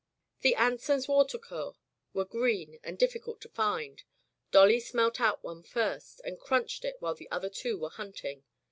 The Anson's Water core were green and difficult to find. Dolly smelt out one first and crunched it while the other two were hunt ing.